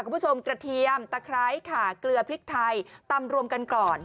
คุณผู้ชมกระเทียมตะไคร้ค่ะเกลือพริกไทยตำรวมกันก่อน